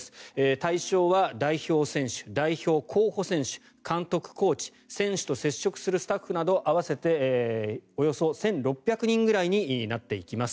対象は代表選手、代表候補選手監督、コーチ選手と接触するスタッフなど合わせておよそ１６００人ぐらいになっていきます。